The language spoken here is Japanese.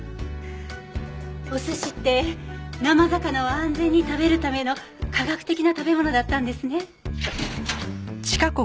お寿司って生魚を安全に食べるための科学的な食べ物だったんですね。